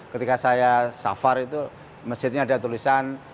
ketika saya safar itu masjidnya ada tulisan